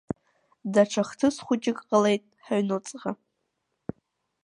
Даҽа хҭыс хәыҷык ҟалеит ҳаҩнуҵҟа.